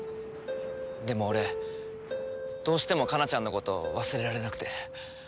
でも俺どうしても加奈ちゃんのこと忘れられなくて。